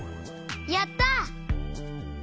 やった！